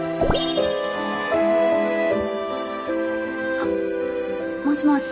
あっもしもし